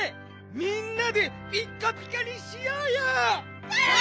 みんなでピッカピカにしようよ！